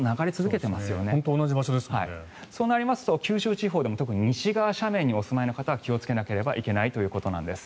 そうなりますと九州地方でも特に西側斜面の方は気をつけなければいけないということなんです。